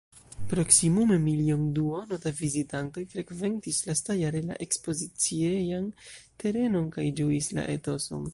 Proksimume milionduono da vizitantoj frekventis lastajare la ekspoziciejan terenon kaj ĝuis la etoson.